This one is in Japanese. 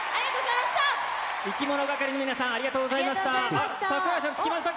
いきものがかりの皆さんありがとうございました。